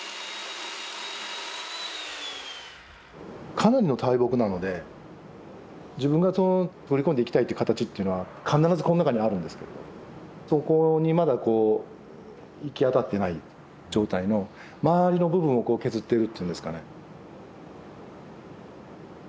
かなりの大木なので自分が彫り込んでいきたいっていう形っていうのは必ずこんなかにあるんですけれどそこにまだこう行き当たってない状態の周りの部分をこう削ってるっていうんですかね。